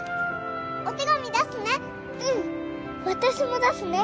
お手紙出すね。